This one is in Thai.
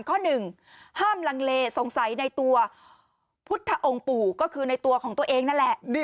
ข้อหนึ่งห้ามลังเลสงสัยในตัวพุทธองค์ปู่ก็คือในตัวของตัวเองนั่นแหละ